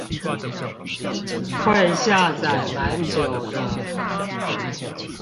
會下載蠻久的